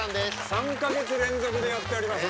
３か月連続でやっております。